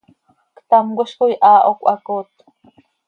¡Ctamcö hizcoi haaho cöhacooot!